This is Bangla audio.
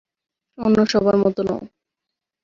অন্য সবার মতো নও।